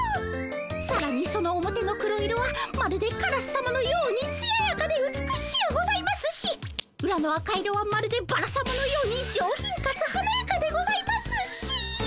さらにその表の黒色はまるでカラスさまのようにつややかで美しゅうございますしうらの赤色はまるでバラさまのように上品かつはなやかでございますしあら？